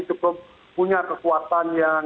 cukup punya kekuatan yang